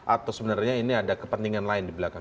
atau sebenarnya ini ada kepentingan lainnya